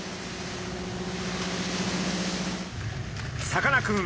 さかなクン